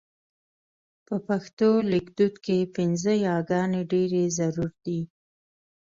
په پښتو لیکدود کې پينځه یې ګانې ډېرې ضرور دي.